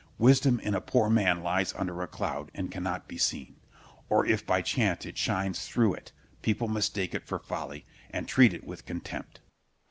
Wisdom in a poor man lies under a cloud, and cannot be seen; or if by chance it shines through it, people mistake it for folly, and treat it with contempt.